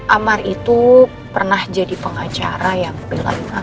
amar itu pernah jadi pengacara yang bilang